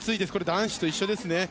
男子と一緒ですね。